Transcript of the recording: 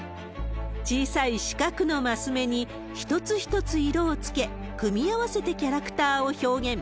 小さい四角の升目に一つ一つ色をつけ、組み合わせてキャラクターを表現。